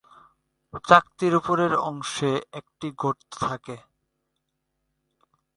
চাকতির উপরের অংশে একটি গর্ত থাকে।